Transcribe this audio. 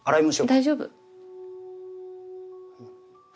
大丈夫。